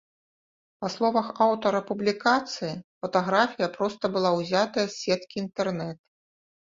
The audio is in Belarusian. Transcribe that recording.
Па словах аўтара публікацыі, фатаграфія проста была ўзятая з сеткі інтэрнэт.